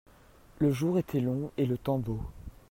le jour était long et le temps beau.